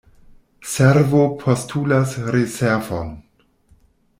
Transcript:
Servo postulas reservon.